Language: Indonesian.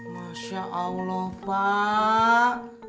masya allah pak